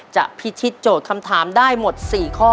จะพิทิศโจทย์คำถามได้หมดสี่ข้อ